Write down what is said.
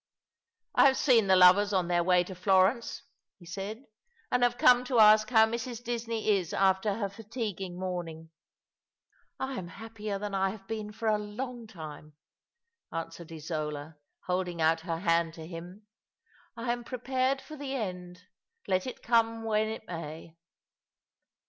"I have seen the lovers on their way to Florence," he said, " and have come to ask how Mrs. Disney is after her fatiguing morning," " I am happier than I have been for a long time," answered Isola, holding out her hand to him. " I am prepared for the end, let it come when it may."